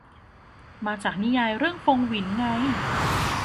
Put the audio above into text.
มาจากนิยายเรื่องฟงหวินไง